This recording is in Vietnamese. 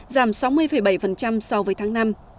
giảm sáu mươi bảy so với tháng năm